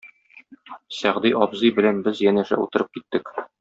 Сәгъди абзый белән без янәшә утырып киттек.